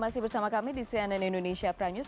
anda masih bersama kami di cnn indonesia pra news